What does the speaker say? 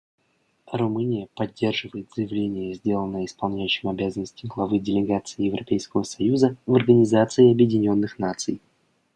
Румыния поддерживает заявление, сделанное исполняющим обязанности главы делегации Европейского союза в Организации Объединенных Наций.